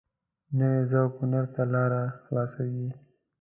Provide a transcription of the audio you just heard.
نوی ذوق هنر ته لاره خلاصوي